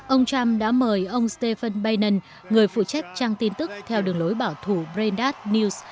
ông trump đã mời ông stephen biden người phụ trách trang tin tức theo đường lối bảo thủ brendat news